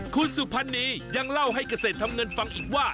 คุณสุพรรณียังเล่าให้เกษตรทำเงินฟังอีกว่า